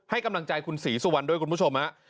ให้กำลังใจคุณศรีสุวรรณด้วยคุณผู้ชมฮะ